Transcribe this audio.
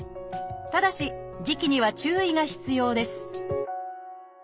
ただし時期には注意が必要です